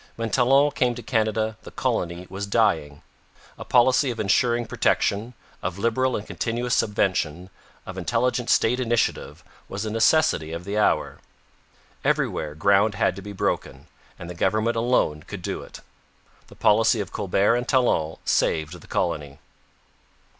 When Talon came to Canada, the colony was dying. A policy of ensuring protection, of liberal and continuous subvention, of intelligent state initiative, was a necessity of the hour. Everywhere ground had to be broken, and the government alone could do it. The policy of Colbert and Talon saved the colony.